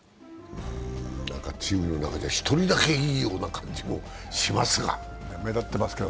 チームの中じゃ１人だけいいような感じもしますが。